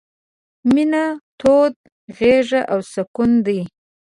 — مينه توده غېږه او سکون دی...